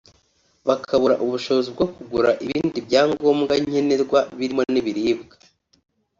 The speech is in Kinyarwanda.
bakabura ubushobozi bwo kugura ibindi byangombwa nkenerwa birimo n’ibiribwa